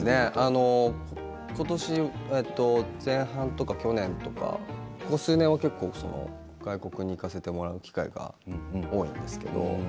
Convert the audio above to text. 今年前半とか去年とかここ数年は結構外国に行かせてもらう機会が多いですけど。